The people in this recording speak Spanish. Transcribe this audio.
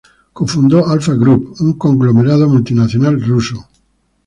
Cofundó Alfa Group, un conglomerado multinacional ruso.